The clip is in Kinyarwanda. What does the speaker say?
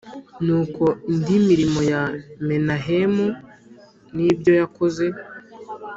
Nuko indi mirimo ya Menahemu n ibyo yakoze